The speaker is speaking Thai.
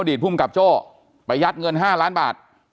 ผู้สิทธิ์พุ่มกับโจ้ไปยัดเงิน๕ล้านบาท